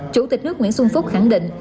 chủ tịch nước nguyễn xuân phúc khẳng định